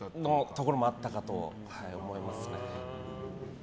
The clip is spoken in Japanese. ところもあったかと思いますね。